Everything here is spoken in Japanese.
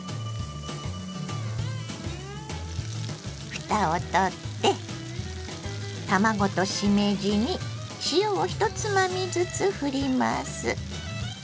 ふたをとって卵としめじに塩を１つまみずつふります。